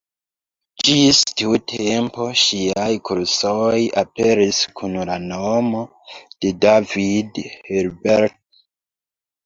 Ĝis tiu tempo ŝiaj kursoj aperis kun la nomo de David Hilbert.